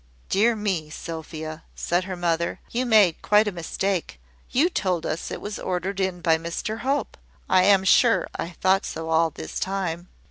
"Dear me! Sophia," said her mother, "you made quite a mistake. You told us it was ordered in by Mr Hope. I am sure, I thought so all this time."